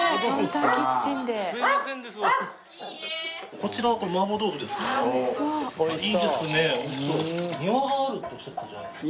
こちら麻婆豆腐ですか？